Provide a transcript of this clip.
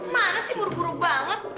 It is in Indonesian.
mana sih buru buru banget